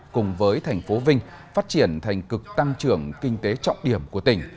cùng với thành phố vinh phát triển thành cực tăng trưởng kinh tế trọng điểm của tỉnh